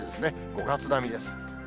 ５月並みです。